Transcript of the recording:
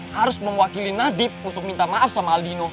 harus mewakili nadif untuk minta maaf sama aldino